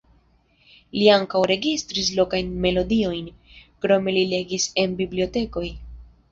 Li ankaŭ registris lokajn melodiojn, krome li legis en bibliotekoj.